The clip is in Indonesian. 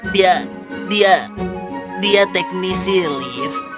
dia dia teknisi lift